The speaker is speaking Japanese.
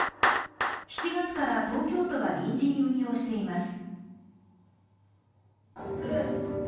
７月から東京都が臨時に運用しています。